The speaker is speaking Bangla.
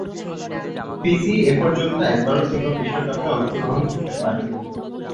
ফিজি এপর্যন্ত একবারও ফিফা বিশ্বকাপে অংশগ্রহণ করতে পারেনি।